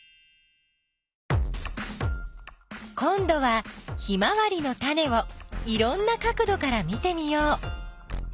こんどはヒマワリのタネをいろんな角どから見てみよう。